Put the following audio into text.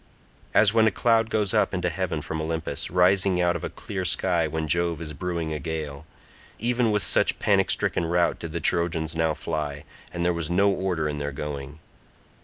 As when a cloud goes up into heaven from Olympus, rising out of a clear sky when Jove is brewing a gale—even with such panic stricken rout did the Trojans now fly, and there was no order in their going.